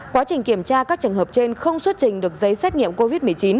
quá trình kiểm tra các trường hợp trên không xuất trình được giấy xét nghiệm covid một mươi chín